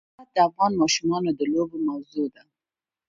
هرات د افغان ماشومانو د لوبو موضوع ده.